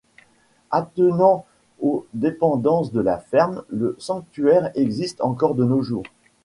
Attenant aux dépendances de la ferme, le sanctuaire existe encore de nos jours.